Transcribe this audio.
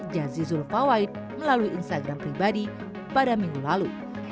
jazizul fawait melalui instagram pribadi pada minggu lalu